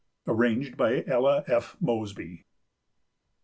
Arranged by Ella F. Mosby.